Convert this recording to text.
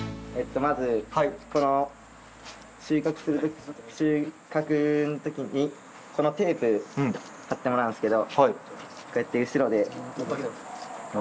まずこの収穫の時にこのテープ貼ってもらうんすけどこうやって後ろで巻いて。